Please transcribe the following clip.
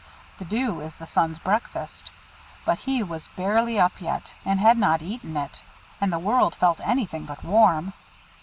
The dew is the Sun's breakfast; but he was barely up yet, and had not eaten it, and the world felt anything but warm.